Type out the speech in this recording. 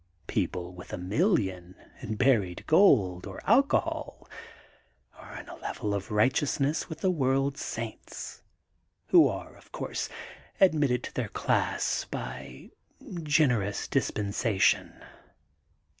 People with a million in buried gold or alcohol are on a level of righteousness with the world saints, who are, of course, admitted to their class by generous dispensation.